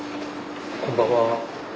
こんばんは。